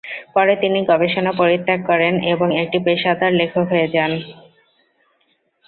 পরে তিনি গবেষণা পরিত্যাগ করেন এবং একটি পেশাদার লেখক হয়ে যান।